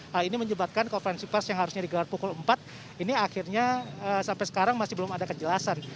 hal ini menyebabkan konferensi pers yang harusnya digelar pukul empat ini akhirnya sampai sekarang masih belum ada kejelasan